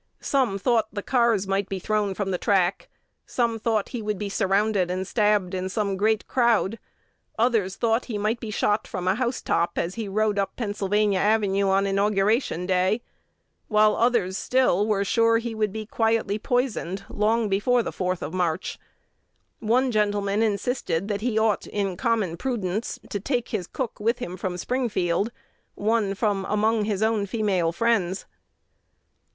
Some thought the cars might be thrown from the track; some thought he would be surrounded and stabbed in some great crowd; others thought he might be shot from a house top as he rode up Pennsylvania Avenue on inauguration day; while others still were sure he would be quietly poisoned long before the 4th of March. One gentleman insisted that he ought, in common prudence, to take his cook with him from Springfield, one from "among his own female friends."